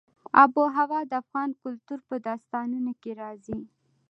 آب وهوا د افغان کلتور په داستانونو کې راځي.